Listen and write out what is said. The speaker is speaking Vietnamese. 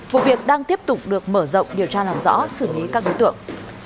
vụ việc đang tiếp tục được mở rộng điều tra làm rõ xử lý các đối tượng